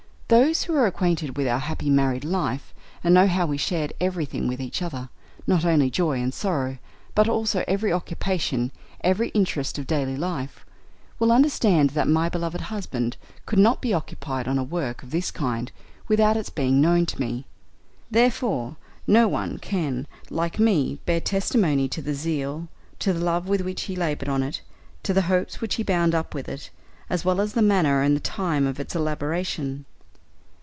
Those who are acquainted with our happy married life, and know how we shared everything with each other—not only joy and sorrow, but also every occupation, every interest of daily life—will understand that my beloved husband could not be occupied on a work of this kind without its being known to me. Therefore, no one can like me bear testimony to the zeal, to the love with which he laboured on it, to the hopes which he bound up with it, as well as the manner and time of its elaboration.